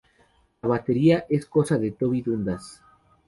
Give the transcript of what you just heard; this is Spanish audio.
La batería es cosa de Toby Dundas.